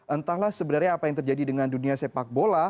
entahlah sebenarnya apa yang terjadi dengan dunia sepak bola